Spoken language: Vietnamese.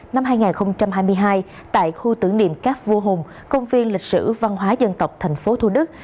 năm hai nghìn hai mươi hai tại khu tưởng niệm các vua hùng công viên lịch sử văn hóa dân tộc tp thu đức